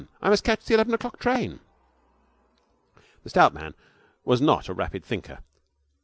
I must catch the eleven o'clock train.' The stout man was not a rapid thinker.